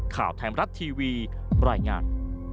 ข่าวไทม์รัดทีวีบร่อยงาน